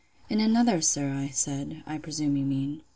—In another, sir, said I, I presume you mean!